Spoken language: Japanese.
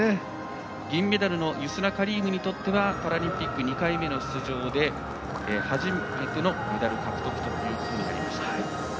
銀メダルのユスラ・カリームにとってはパラリンピック２回目の出場で初めてのメダル獲得となりました。